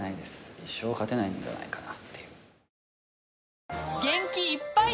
一生勝てないんじゃないかな。